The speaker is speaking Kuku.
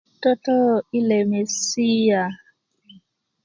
toto i lemesia